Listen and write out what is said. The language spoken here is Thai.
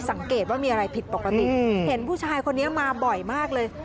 สังเกตว่ามีอะไรผิดปกติเห็นผู้ชายคนนี้มาบ่อยมากเลย